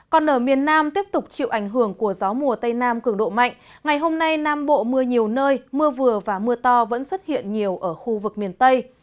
còn ở miền nam tiếp tục chịu ảnh hưởng của gió mùa tây nam cường độ mạnh ngày hôm nay nam bộ mưa nhiều nơi mưa vừa và mưa to vẫn xuất hiện nhiều ở khu vực miền tây